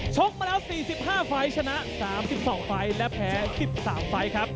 กมาแล้ว๔๕ไฟล์ชนะ๓๒ไฟล์และแพ้๑๓ไฟล์ครับ